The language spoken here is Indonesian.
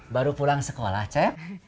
baru pulang sekolah cep